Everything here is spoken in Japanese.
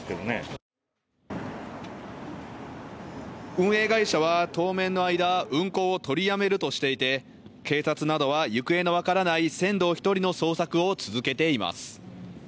運営会社は当面の間、運航を取りやめるとしていて、警察などは行方の分からない船頭１人の捜索を続けています。